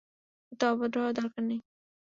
এত অভদ্র হওয়ার দরকার নেই।